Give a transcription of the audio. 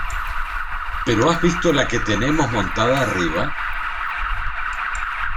¿ pero has visto la que tenemos montada arriba?